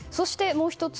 もう１つ